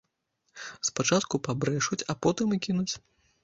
Спачатку пабрэшуць, а потым і кінуць.